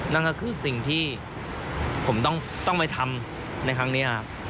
นั่นก็คือสิ่งที่ผมต้องไปทำในครั้งนี้ครับ